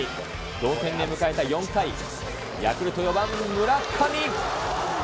同点で迎えた４回、ヤクルト４番村上。